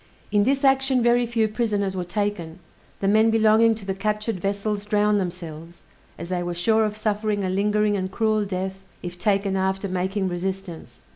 In this action very few prisoners were taken: the men belonging to the captured vessels drowned themselves, as they were sure of suffering a lingering and cruel death if taken after making resistance.